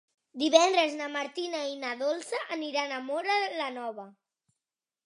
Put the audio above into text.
Divendres na Martina i na Dolça iran a Móra la Nova.